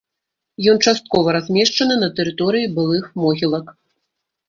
Ён часткова размешчаны на тэрыторыі былых могілак.